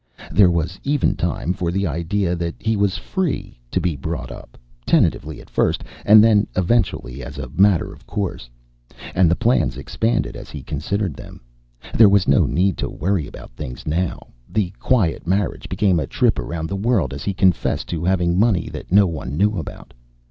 There was even time for the idea that he was free to be brought up, tentatively at first, and then eventually as a matter of course. And the plans expanded as he considered them. There was no need to worry about things now. The quiet marriage became a trip around the world as he confessed to having money that no one knew about.